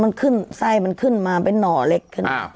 มันขึ้นไส้มันขึ้นมาเป็นหน่อเล็กขึ้นมา